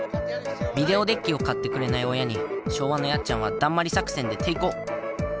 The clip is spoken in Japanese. ビデオデッキを買ってくれない親に昭和のやっちゃんはだんまり作戦で抵抗。